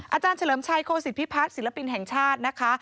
อาจารย์เฉลิมชัยโคศิษฐพิพัฒน์ศิลปินแห่งชาตินะคะ